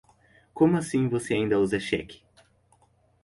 Como assim você ainda usa cheque?